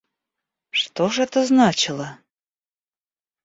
Что ж это значило?